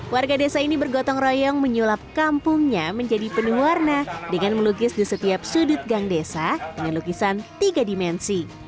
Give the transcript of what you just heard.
warga desa ini bergotong royong menyulap kampungnya menjadi penuh warna dengan melukis di setiap sudut gang desa dengan lukisan tiga dimensi